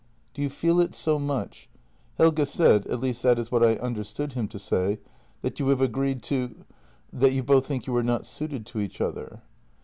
"Do you feel it so much? Helge said — at least that is what I understood him to say — that you have agreed to — that you both think you are not suited to each other."